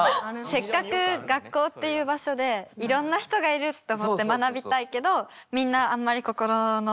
せっかく学校っていう場所でいろんな人がいると思って学びたいけどみんなあんまり心の扉を。